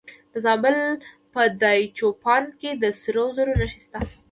د زابل په دایچوپان کې د سرو زرو نښې شته.